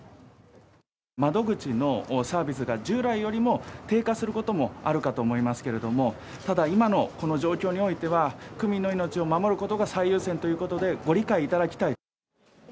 窓口のサービスが従来よりも低下することもあるかと思いますけれども、ただ今のこの状況においては、区民の命を守ることが最優先ということで、ご理解いただきたい。